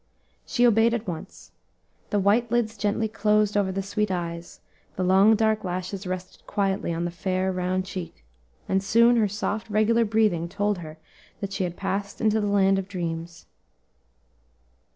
She obeyed at once; the white lids gently closed over the sweet eyes, the long, dark lashes rested quietly on the fair, round cheek, and soon her soft regular breathing told that she had passed into the land of dreams.